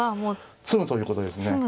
詰むということですね。